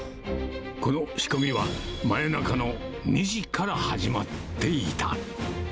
この仕込みは真夜中の２時から始まっていた。